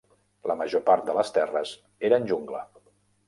La major part de les terres eren jungla.